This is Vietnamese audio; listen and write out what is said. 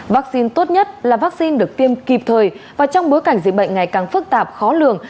vắc xin tốt nhất là vắc xin được tiêm kịp thời và trong bối cảnh dịch bệnh ngày càng phức tạp khó lường